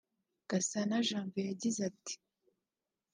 Gasana Janvier yagize ati